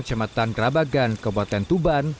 jembatan gerabagan kebawatan tuban